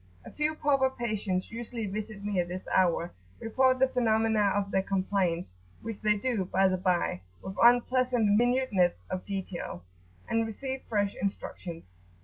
A few pauper patients usually visit me at this hour, report the phenomena of their complaints, which they do, by the bye, with unpleasant minuteness of detail, and receive fresh instructions.